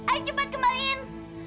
ayo cepet kembaliin